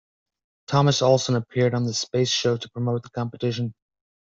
Thomas Olson appeared on The Space Show to promote the competition.